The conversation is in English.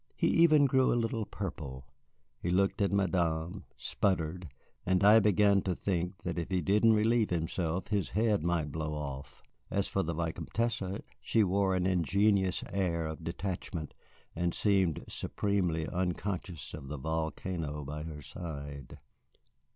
He even grew a little purple. He looked at Madame, sputtered, and I began to think that, if he didn't relieve himself, his head might blow off. As for the Vicomtesse, she wore an ingenuous air of detachment, and seemed supremely unconscious of the volcano by her side.